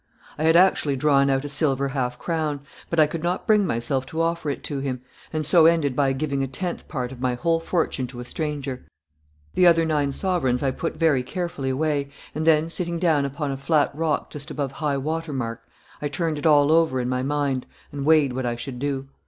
I had actually drawn out a silver half crown, but I could not bring myself to offer it to him, and so ended by giving a tenth part of my whole fortune to a stranger. The other nine sovereigns I put very carefully away, and then, sitting down upon a flat rock just above high water mark, I turned it all over in my mind and weighed what I should do.